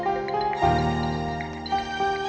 sampai jumpa lagi